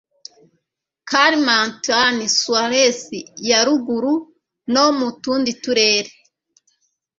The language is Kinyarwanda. kalimantan sulawesi ya ruguru no mu tundi turere